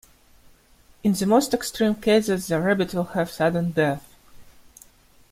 In the most extreme cases the rabbit will have sudden death.